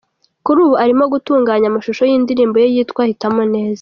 Kuri ubu arimo gutunganya amashusho y'indirimbo ye yitwa Hitamo neza.